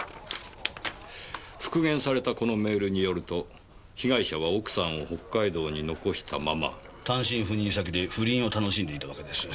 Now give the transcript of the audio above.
復元されたこのメールによると被害者は奥さんを北海道に残したまま。単身赴任先で不倫を楽しんでいたわけですね。